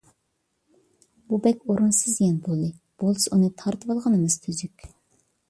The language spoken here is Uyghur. بۇ بەك ئورۇنسىز زىيان بولدى. بولسا، ئۇنى تارتىۋالغىنىمىز تۈزۈك،